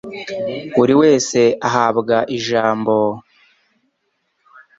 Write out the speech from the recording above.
buri wese ahabwa ijambo